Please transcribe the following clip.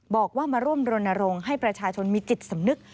บอกว่ามาร่วมรณรงค์ให้ประชาชนมีจิตสำนึก